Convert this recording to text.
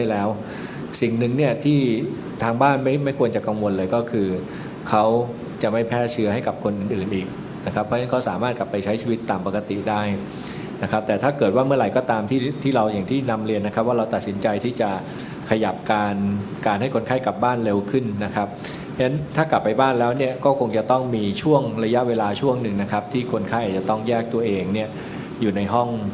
เพราะฉะนั้นเขาสามารถกลับไปใช้ชีวิตตามปกติได้นะครับแต่ถ้าเกิดว่าเมื่อไหร่ก็ตามที่ที่เราอย่างที่นำเรียนนะครับว่าเราตัดสินใจที่จะขยับการการให้คนไข้กลับบ้านเร็วขึ้นนะครับเพราะฉะนั้นถ้ากลับไปบ้านแล้วเนี้ยก็คงจะต้องมีช่วงระยะเวลาช่วงหนึ่งนะครับที่คนไข้อาจจะต้องแยกตัวเองเนี้ยอยู่ใน